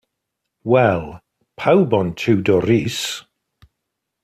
Wel, pawb ond Tiwdor Rees.